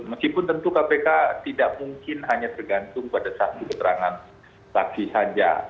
meskipun tentu kpk tidak mungkin hanya tergantung pada satu keterangan saksi saja